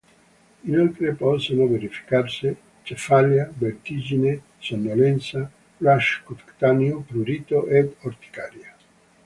Inoltre possono verificarsi cefalea, vertigine, sonnolenza, rash cutaneo, prurito ed orticaria.